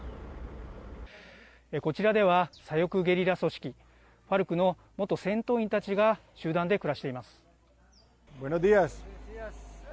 こちらでは左翼ゲリラ組織、ＦＡＲＣの元戦闘員たちが集団で暮らしています。